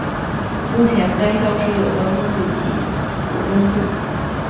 目前该校设有高中部及国中部。